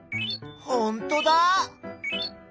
ほんとだ！